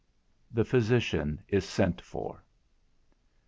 _The physician is sent for.